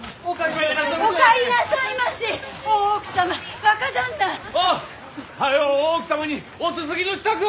早う大奥様におすすぎの支度を！